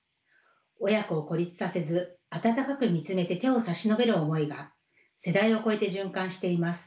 親子を孤立させず温かく見つめて手を差し伸べる思いが世代を超えて循環しています。